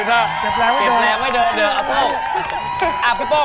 ตั้งแต่หนึ่งผมใจยังกับพี่ป้อง